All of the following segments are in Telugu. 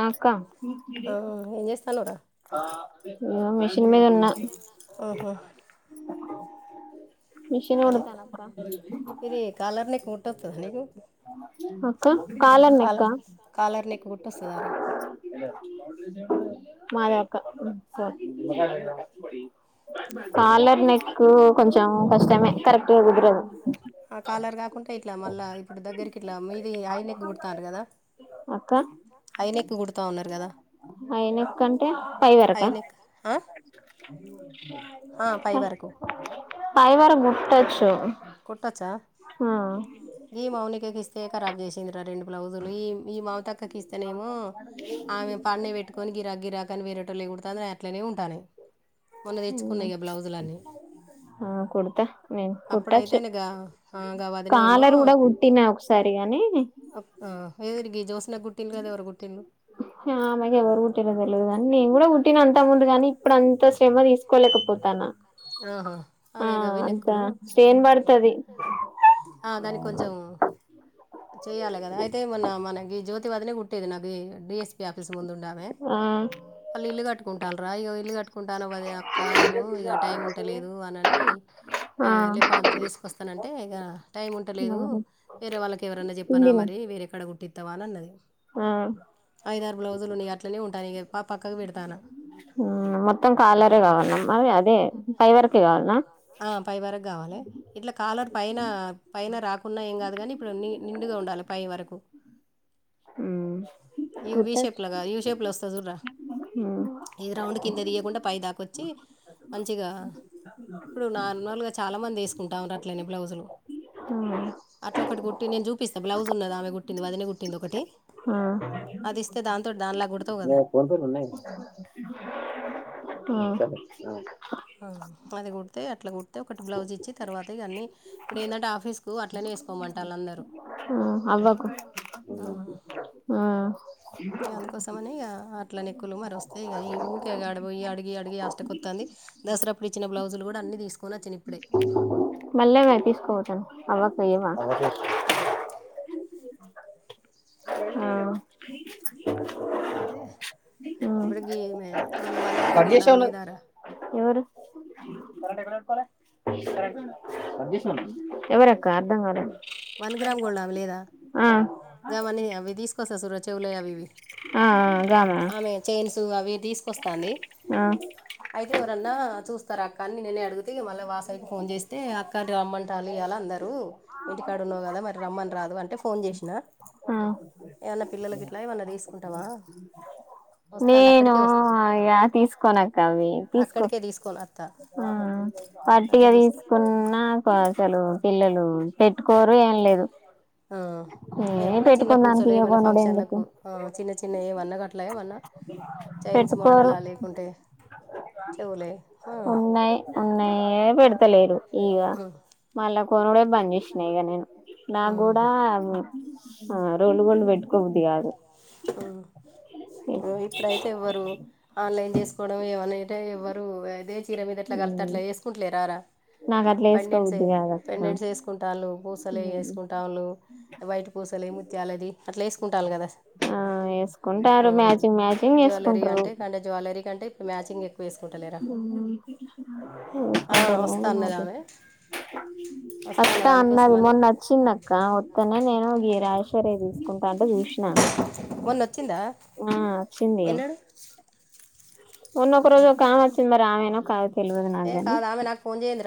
అ అక్క చిన్ మీదున్న మిషన్ కూడతన్నక్క అక్క కాలర్ నెక్క కాలర్ నెక్ కుట్టొస్తాధారా మాద క కాలర్ కాలర్ కాకుంటే ఇట్లా మళ్ళా ఇప్పుడు దగ్గరికి ఇట్ల మీది హైనేగ్గు గుడుతాన్రు కదా క్క హై నెక్కంటే పై వరక పై వరిక్ కుట్టచ్చ్ కుట్టచ్చా గీ మాౌనికకి ఇస్ ఏ ఖరాబ్ చేసిందిరా రెండు బ్లౌజులు ఈ ఈ మమత అక్కకి ఇస్తేనేమో ఆమె పన్నే పెట్టుకొని గిరా గిరాక్ అని వేరేటోల్లవి కుడతాంది అని నాయి అట్లనే ఉంటానాయ్ ఉ ఆ కుడతా నేన్ కుట్టచ్చు కాలర్ కూడా కుట్టిన ఒకసారి గాని అతా ఎవరికి జ ఆహ్ ఆమెకి ఎవరు కుట్టిండ్రో తెల్వదు గని నేన కూడా కుట్టిన అంతక్ ముందు గాని ఇప్పుడు అంత శ్రమ తీసుకోలేకపోతాను ఆ అంతా శ్రైం ఏన్ బడుతది ఆహ్ దానికి కొంచెం చెయ్యాలి కదా అయితే ఏమన్నా మనకి జ్యోతివాదనే కుట్టేది నాకు డిఎస్పి ఆఫీస్ ముందు ఉంమే వాళ్ళు ఇల్లు కట్టుకుంటరూ అయ్యో ఇల్లు కట్టుకుంటానవు గదే అక్క నేను టైం ఉంటలేదు అనని ఇక లేపో అంత తీసుకొస్తానంటే ఇక టైం ఉంటలేదు వేరే వాళ్ళకి ఎవరన్నా చెప్పానా మరి వేరే కడ కుట్టితవా అన్నది ఉమ్ ఐదారు బ్లౌజులు ఉన్నాయి అట్లనే ఉంటాను ఇ పా పక్కకు పెడతాను మొత్తం కాలరే కావాలమ్ అవి అదే పై వరకే కావాలన్నా ఆ పై వరకు కావాలి ఇట్లా కాలర్ పైన పైన రాకున్నా ఏం కాదు కానీ ఇప్పుడు నింగా ఉండాలి పై వరకు ఉమ్ ఈ వి షేప్ లా గాద్ ఈ షేప్ లో వస్తాది చూడురా ఇది రౌండ్ కింద తీయకుండా పై దాకోచ్చి మంచిగా ఇప్పుడు నార్మల్గా చాలా మంది వేసుకుంటాంన్నారు అట్లనే బ్లౌజులు అట్లా ఒకటి కు నేను చూపిస్తా బ్లజ్ ఉన్నది ఆమె కుట్టింది వదిన కుట్టింది ఒకటి ఆహ్ ఫోన్ పే లో ఉన్నాయి ఆహ్ అది కుడితే అట్లా కుడితే ఒకటి బ్లౌజ్ ఇచ్చి తర్వాత ఇవన్నీ ఇప్పుడు ఏంటంటే ఆఫీస్ కు అట్లనే చేసుకోమంటాల్రు అందరూ ఆ అవ్వకు ఆహ్ ఉకులు మరి వస్తే ఇగ ఆర్కే అడ వోయ అడిగి అడిగి యస్టకి కొత్తంది దసరా ఆపుడు ఇచ్చిన బ్లౌజులు కూడా అన్నీ తీసుకొని వచ్చను ఇప్పుడే మళ్ళీ ఎమై తీసుకోవతానవ్ అవ్వకియ్యవా అయితే ఇప్పడు గీమె ఆమె వన్ గ్రామ్ గోల్డ్ ఆమె లేదారా కరెంటు ఎక్కడస్కోవాలె ఎవరక్క అర్ధం కాలే వన్ గ్రామ్ గోల్డ్ ఆమె లేదా గావాన్ని అవి తీసుకొస్తాది చూడు చెవులవి అవి ఇవి ఆహా గమన అవి తీసుకొస్తంది అయితే ఎవరన్న చూస్తారా అక్క అని నెన్ మళ్ళ వాసావికి ఫోన్ చేస్తే అక్కడ రమ్మంటారు ఇయ్యాల అందరు ఇంటికాడ ఉన్నావు కదా మరి రమ్మను రాదు అంటే ఫోన్ చేసినా ఏమన్నా పిల్లలకి గిట్లా ఏమన్నా తీసుకుంటావా నేను ఇగ తీసుకోను అక్క అవి తీసుకో [inaudible] వట్టిగా తీసుకున్నా అసలు పిల్లలు పెట్టుకోరు ఏం లేదు ఆహ్ ఏమన్నా చిన్న పూసలు ఏమన్నా ఫంక్షన్లకు ఆ చిన్న చిన్న ఏమన్నా గట్లా ఏమన్నా చైన్స్ వాడలా లేకుంటే ఉన్నాయి ఉన్నాయి పెడతలేరు ఇగ మళ్ళా కొనుడే బంజేషినా ఇగ నేను నా గూడా ఉ అ రోల్డ్ గోల్డ్ పెట్టు మ్ ఇప్పుడైతే ఎవ్వరు ఆన్లైన్ చేసు ఇప్పుడు ఏవనయితే ఎవ్వరు అదే చీర మీద ఎట్లా కలుత అట్లా వేసుకుంటలే రారా పండెంట్స్ ఎ పండెంట్స్ వేసుకుంటాళ్ళు, పూసలు వేసుకుంటాళ్ళు వైట్ పూసలు, ముత్యాలని అట్లా వేసుకుంటాల్ కదా ఆ వేసుకుంటారు, మ్యాచింగ్ మ్యాచింగ్ వేసుకుంటరు. మ్యాచింగ్ ఎ ఉహు అంతలేదు నాకు అత్తా అన్నది మొన్న వచ్చింద అక్క ఒత్తనే నేను గీ రాజేశ్వరి కొంటంటే చూసినా ఆ వచ్చింది మొన్న ఒక రోజు ఒకామె వచ్చింది రా ఆమెనో కాదు తెలివదు నాగ్గాని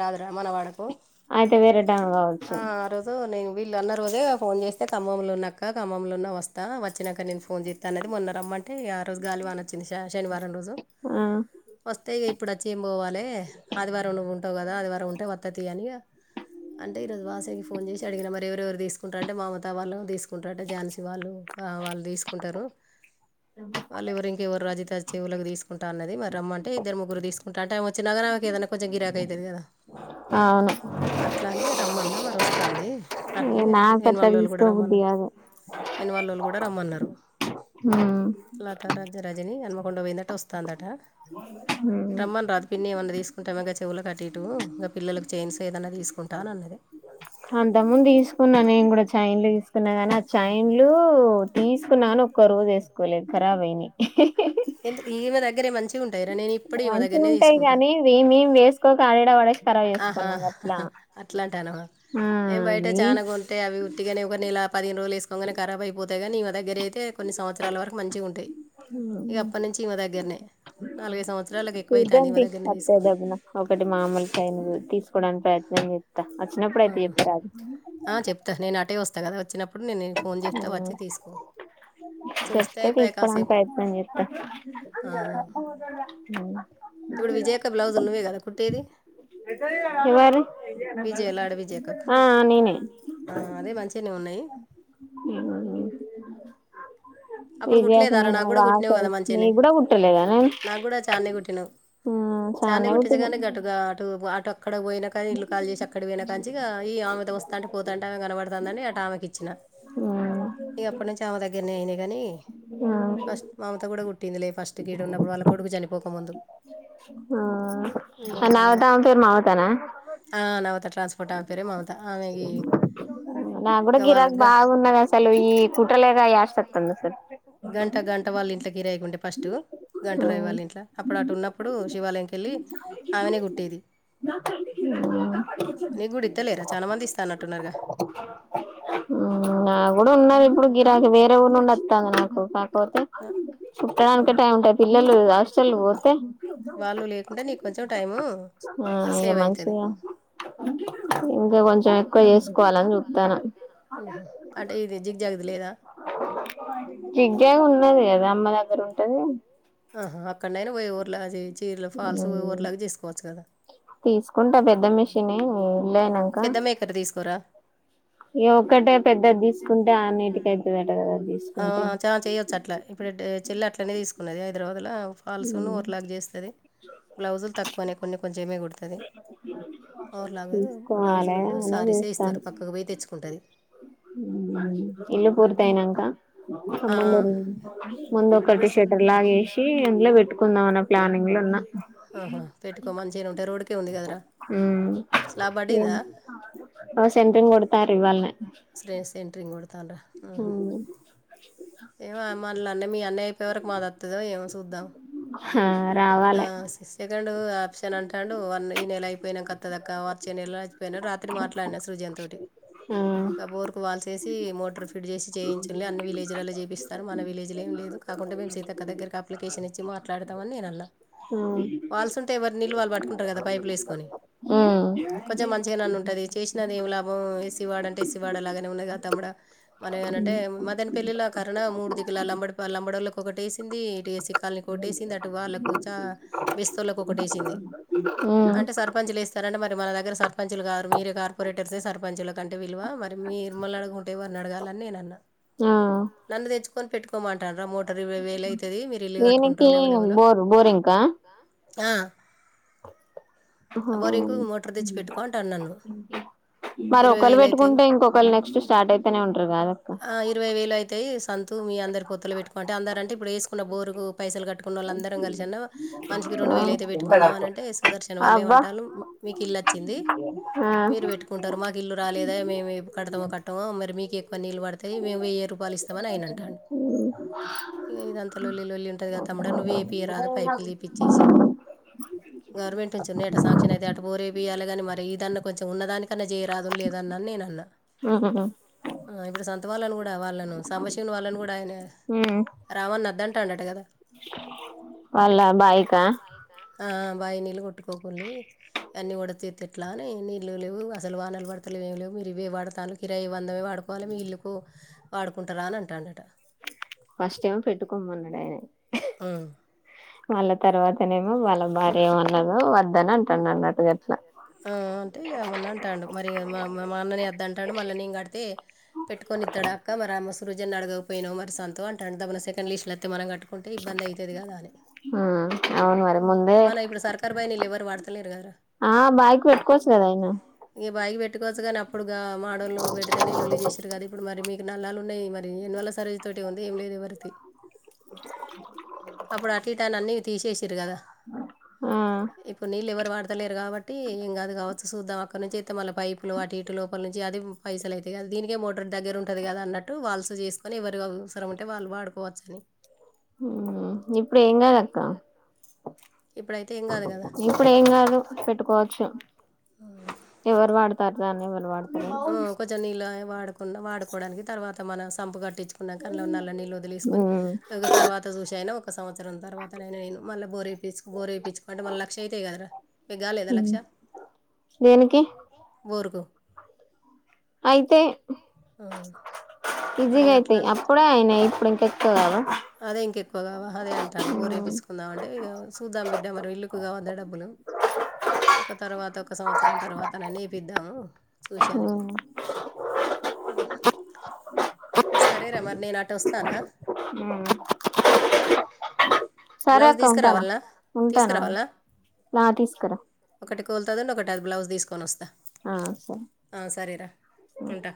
రాదురా మన వాడకు అయితే వేరేటామే కావచ్చు వీళ్ళు అన్న రోజే ఫోన్ చేస్తే ఖమ్మంలో ఉన్నక్కా. ఖమ్మంలో ఉన్నా వస్తా వచ్చాక నేను ఫోన్ చేస్తా అది మొన్నరమ్మ అంటే ఆ రోజు గాలివాన వచ్చింది శ శనివారం రోజు వస్తే ఇగా ఇప్పుడు వచ్చి ఏం పోవాలే ఆదివారం నువ్వు ఉంటావు కదా ఆదివారం ఉంటే వద్దతి అని అంటే ఈరోజు వాసకి ఫోన్ చేసి అడిగిన మరి ఎవరెవరు తీసుకుంటారంటే మమత వాళ్ళు తీసుకుంటారట. ఝాన్సీ వాళ్లు ఆ వాళ్ళు తీసుకుంటారు వాళ్ళు ఎవరింక ఎవరు రజిత జి దేవుళ్లకు తీసుకుంటన్నాది మరి రమ్మంటే ఇద్దరు, ముగ్గురు తీసుకుంటా అంటే ఆమె వచ్చి నగరావుకి ఏదన్నా కొంచెం గిరాకి అయితది కదా. అవును అట్లా అనే రమ్మన్నా మరి వస్తుంది. అట్లే నీకు నేను వాళ్ళోళ్లు కూడా రమ్మన్నారు. ఏన్వాళ్ళోళ్లు కూడా రమ్మన్నారు. లత రాజరాజని హన్మ కొండ పోయిందట వస్తుందట రమ్మన రాదు పిన్ని ఏమన్నా తీసుకు ఉంటాము గా చెవులుకు అటు ఇటు ఇంగా పిల్లలకు చైన్స్ ఏదైన్నా తీసుకుంటా అ అన్నది. అంతకు ముందు తీసుకున్నా నేను కూడా చైన్లు లో తీసుకున్నా గాని ఆ చై నైన్లు తీసుకున్నాను. ఒక్క రోజు వేసుకోలేదు. ఖరాబ్ అయ్నియ్ హెహిహి ఎందుకు ఈమె దగ్గరే మంచిగా ఉం మంచిగా ఉంటాయి గానీ విమేం వేసుకోక ఆడ ఈడ ఆహా హ్హ్ అట్లాంటనావా ఏం బయట చానా కొంటె అవి ఉత్తిగానే ఒక నెల పదిహేను రోజులు వేసుకోంగనే ఖరాబ్ అయిపోతాయి కానీ, ఈమె దగ్గర అయితే కొన్ని సంవత్సాల వరకు మంచిగా ఉంటాయి. ఇగా అప్పటి నుంచి ఈమె దగ్గరనే చూద్దాం తీ వత్తేదబ్బున ఒకటి మామూలు చైన్ చూడు తీసు తీసుకోడానికి ప్రయత్నం చేస్తా వచ్చినప్పుడు అయితే చెప్పరాదు. అప్పుడునేను ఫోన్ చేస్తా వచ్చి తీసుకో చెప్తే తీసుకోవడానికి ప్రయత్నం చేస్తా. ఇప్పుడు విజయక్క బ్లౌజులు నువ్వే కదా కుట్టేది. ఎవరు ఆ నేనే మంచినే ఉన్నాయి [inaudible] అప్పుడు కుట్టలేదారా నాకు కూడా కుట్టినావు కదా మంచినే నాకు కూడా చాన్నే కుట్టినావు. చాన్నే కుటిచ్చ కానీ గట్టుగాటు వ అక్కడ పోయినా కానీ ఇల్లు ఖాళీ చేసి అక్కడవేనా కాంచిగ ఈ ఆమెతో వస్తాంటే, పోతాంటే ఆమె కనబడతాంది అని అటు ఆమెకి ఇచ్చిన ఆ ఇగా అప్పటి నుంచి ఆమె దగ్గరనే అయినాయి గాని ఫస్ట్ మమత కూడా కుట్టి కుట్టిందిలే ఫస్ట్ గీడ ఉన్నప్పుడు వాళ్ళ కొడుకు చనిపోకముందు ఆ ఆ నల్లటం పేరు మమతేన ట్రాన్స్ఫపోర్ట్ ఆమె పేరే మమత ఆమెగీ నా కూడా గిరాకీ బాగుఉన్నదసలు ఈ కుట్టలేక యాష్టోస్తోంది అసలు గంట గంట వాళ్ళ ఇంట్లో కిరాయి కుండే ఫస్ట్ గంట రవి వాళ్ళ ఇంట్ల అప్పుడు అటు ఉన్నప్పుడు శివాలయంకెళ్ళి ఆమెనే కుట్టేది నీ గుడ ఇత్తలేరా చాల మంది ఇస్తాన్నట్టున్నారుగా నాకూడా ఉన్నాది ఇప్పుడు గిరాకి వేరే ఊరి నుండి వతంది నాకు పోతే కుట్టడానికి టైం ఉంటలే పిల్లలు హాస్టల్ పోతే ఆ ఇగా మంచిగా ఇంకా కొంచెం ఎక్కువ చేసుకోవాలని చూతాన అంటే ఇది జీగ్జాగ్ దిలేదా జీగ్జాగ్ ఉన్నది కదా అమ్మ దగ్గర ఉంటది ఆహా అక్కనేనా పోయే ఊర్లా చీరల ఫాల్స్ పోయే ఊర్లాగా చేసుకోవచ్చు కదా కొంటా పెద్ద మిషనే ఇల్ళయినాక ఆ చాలా చెయొచ్చు అట్లా ఇప్పుడు చెల్లి అట్నే తీసుకునాది హైదరాబాద్ అందువల ఫాల్స్ అట్లాగ చేస్తుంది బ్లౌజులు తక్కువ అనే కొన్ని కొంచెంమే కూడ్తది తీూసుకోవాలె అనే చూస్తాను హ్మ్ ఇల్లు పూర్తాయినాక సంబాన్డరు కర్టి షెటర్ లాగాగేసి అందులో పెట్టుకుందాం అన్న ప్లానింగ్ లో ఉన్న ఆహా పెట్టుకో మంచిగానే ఉంటాయి రోడ్కే ఉంది కదరా ఉమ్మ్ ఏం అ సెంట్రింగ్ కొడతారు ఇవాలనే తారా హ హ ఏమో మనలు అన్న మీ అన్నయ అయిపోవరకు మాది అత్తదో ఏమో చూద్దాం ఆ రావాలె ఆప్షన్ అంటాడు ఒన్ ఈ నెల అయిపోయినా కొత్తదాకా వచ్చే నెల అయిపోయినుడు రాత్రి మాట్లా మాట్లాడిన సృజన తోటి ఇంక ఆ బోర్ కీ వాల్స్ ఏసి మోటర్ ఫిడ్చేసి చేయించాలి అన్ని విలేజీలలో పంపిస్తారు మన విలేజ్లో ఏమి లేదు కోపోతే మేము సితక్క దగ్గరికి అప్పికేషన్ ఇచ్చి మాట్లాడామని నేన్నానా ఆ నీళ్లు వాళ్ళు పట్టుకుంటరు కదా పైపులు ఎస్కుని కొంచం మంచిగానాన ఉంటది చేసినది ఏం లాభం ఏసీ వాడంటే ఎసీ వాడలాగానే ఉన్నది కద తమ్ముడా మనం ఏంటే మదన పెళ్లిళ్ల కరణ మూడు దికులా లబలంబడల ఒకటేస్ ది డేసికలకొటసిది అటు వాళ్ళకు చ బస్తలోకు ఒకటేసింది అంటే సర్పంచుల్ ఇస్తారా అంటే మరి మనగ్గ సర్పంచులు కారు మీరే కార్పొరేటర్స సర్పంచుల కంటే వీలువా మరి మిమ్మలడకుంటే ఎవర్ని అడగాలని నేన్ అన్న ఆ నన్ను తెచ్చుకని పెట్టుకోమంటార మో ఇరవై వేలు ఐతది మీరు ఇల్లు కట్టుకుంటాలేవాలేవలో ఆ హ మరి ఒకళు పెట్టుకుంటే ఇంకొకళ్రు నెక్స్ట్ స్టార్ట్ అయితేనే ఉంటారు కాదక్క తంతు మీ అందరి పొత్లు పెట్ అంటే అందరు ఇప్పుడు వేకున్న బోరుకు పైసలు కట్టుకున్న వాళ్ళ అందరం కల్సానా మషికీ రెండు వేలులయితే పెట్టుకుందాం ఆన్ అంటే సుదర్శన్ వాళ్ళు ఏమంటాలు మీకు ఇల్ వచ్చింది మీరు పెట్టుకుంటారు మాకు ఇల్లు రాలేదా మేము కట్టాము కట్టమో పన్న నీళ్ళు పడతయ్ మేము వెయ్యి రూపాయలు ఇస్తామని ఆయన అంటాండ ఇదంతాలొల్లిలుల్లి ఉంటది కదా తమ్ముడా నువ్వే ఏపియరాదు పైపులు తీపిచ్చేసి గవర్నమెంట్ నుంచి ఉనట సా ఎట బోరే పియ్యాలిగానీ మరి ఇదన్నా కొంచం ఉన్న దానికన్నా చేయరాదుని లేదన్నాని నేను అన్నా ఉహు వద్ద వాళ్ళను కూడా వాళ్ళను సంభశివుని వాళ్ళను కూడా ఆయన రామని నద్దంటా అండట కదా వాళ్ళ బాయికా ఆ బావి నీళ్ళు కొట్టుకోకుళ్ళే అన్ని వడతతిట్లా అ నీళ్లు లేవు అసలు వానలు పడతలే ఏమి లేవు మీరు ఇవే వాడతాను కిరాయి వంద వాడుకోవాలి మీ ఇల్లుకు వాడుకుంటారా అని అంటాండట ఫస్ట్ ఏం పెట్టుకోమన్నాడు ఆయన ఉ వాళ్ళ తర్వాతనేమో వాళ్ళ భార్య ఏమన్నదొ వద్దని అంటన్న అట్టుగా అట్లా ఆ అంటేమన్నా అంటాడు మరి మా అన్నని వద్దంటాడు మళ్ళాని కడితే పెట్టుకొని ఇత్తాడాక్క మమ్మ సృజన్ అడుగకపోయినా మరి సంతో అంటడు తన సెకండ్ లీస్ట్ లో ఎత్తే మన కట్టు కుంటే ఇబ్బంది అయితది కదా అనే మన ఇప్పుడు సర్కార్ బా నీళ్ళ ఎవ్వరు వాడతలేరు గదా ఈ బాయ్ పెట్టుకోవచ్చు గాని మా ఆడోలు పెడితేనే లొల్లి చేసిరు కద ఇప్పు మరి మీ నళ్ళ ఉన్నాయి మరి ఎన్ని వల్ల సరే తోటి ఉంది ఏం లేదు ఎవరిది అప్పుడు అటు ఇటని అన్ని తీసేసిరు కదా ఇప్పుడు నీల్లు ఎవర్ వాడతలేరు కాబట్ ఇంకాది కావచ్చు చూద్దాం అక్కడ నుంచి అయితే మళ్ళ పైపులు అటు ఇటు లోపల నుంచి అది పైసలు అయితే కదా దీనికే మోటర్ దగ్గర ఉంటది కదా అన్నట్టు వాళ్సు చేసుకొని ఎవరి అవసరం ఉంటే వాళ్ళు వాడుకోవచ్చ అని ఉ ఇప్పుడు ఏం కాదుక్క ఇప్పుడు ఏం గాదు పెట్టుకోవచ్చు ఎవరు వాడతారు దాన్ని ఎవరు వాడ ఆ కొంచెం నీళ్ళు వాడకుండా వాడుకోవడానికి తర్వాత మనం సంప్ కట్ పట్టించుకున్నా కానీ నల్ల నీళ్ వదిలీసుకొని తరువాత చూస ఒక సంవత్సం తరువాత నేను ఏను మళ్ళీ బోర్ ఏపీయిచు బోర్ ఏపీయించుకుంటే మళ్ళ లక్ష అయితయి కదా ఉ దేనికీ వర్గు అయితే ఈజీగా అయితేయి అప్పుడే అయినాయ్ ఇప్పుడు ఇంకెక్కువ కావా అదే ఇంక ఎక్కువగా అదే అంటాను బోర్ ఏపిసుకుందామంట ఇగ చూద్దాం బిడ్డ మరి ఇల్లుకు కావద్దా డబ్బులు ఒక తర్వాత ఒక సంవత్సరం తర్వాత అన్ని ఏపిద్దాము సుశాను సరేరా మర్ నేను అట వస్తానా బ్లౌజ్ తీసుకురావళ్ళా తీసుకురావాలా ఒకటి కోల్తుందండి ఒకటి అది బ్లౌజ్ తీసుకొని వస్తా ఆ సరేరా ఉంటా